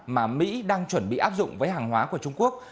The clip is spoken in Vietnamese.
mà mỹ đang chuẩn bị áp dụng với hàng hóa của trung quốc